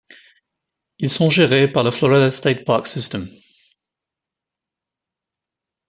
Ils sont gérés par le Florida State Parks System.